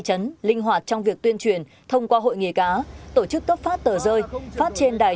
trấn linh hoạt trong việc tuyên truyền thông qua hội nghề cá tổ chức cấp phát tờ rơi phát trên đài